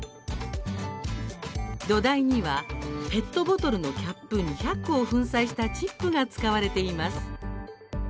土台にはペットボトルのキャップ２００個を粉砕したチップが使われています。